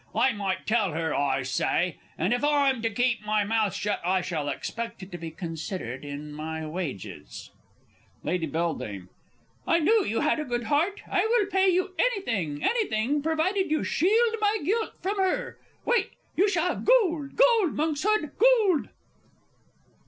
I might tell her, I say, and, if I'm to keep my mouth shut, I shall expect it to be considered in my wages. Lady B. I knew you had a good heart! I will pay you anything anything, provided you shield my guilt from her ... wait, you shall have gold, gold, Monkshood, gold!